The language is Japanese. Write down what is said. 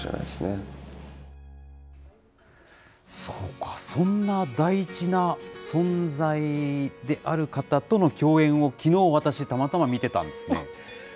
そうか、そんな大事な存在である方との共演をきのう私、たまたま見てたんですね。